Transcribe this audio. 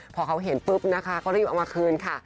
พอเค้าเห็นปุ๊บก็เรียบเอามาคืนค่ะ